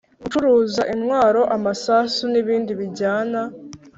Ucuruza intwaro amasasu n ibindi bijyana